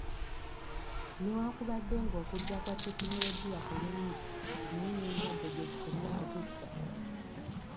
Newankubadde nga okujja kwa tekinologiya kulungi naye n'endwadde gye zikomye okututta.